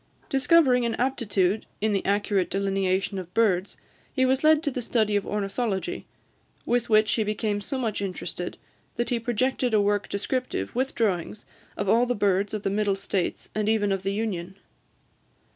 Discovering an aptitude in the accurate delineation of birds, he was led to the study of ornithology; with which he became so much interested, that he projected a work descriptive, with drawings, of all the birds of the Middle States, and even of the Union.